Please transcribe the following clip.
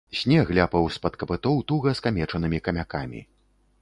Снег ляпаў з-пад капытоў туга скамечанымі камякамі.